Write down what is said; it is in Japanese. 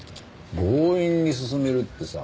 強引に進めるってさ